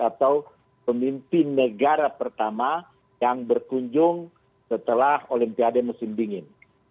atau pemimpin negara pertama yang berkunjung setelah olimpiade musim dingin